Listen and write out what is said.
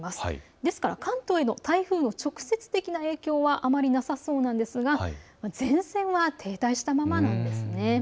ですから関東への台風の直接的な影響はあまりなさそうなんですが前線は停滞したままなんですね。